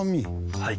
はい。